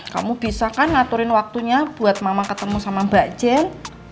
kamu bisa kan ngaturin waktunya buat mama ketemu sama mbak jen